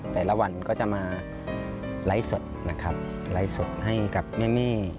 แต่ละวันจะมาไร้สดให้กับแม่เม่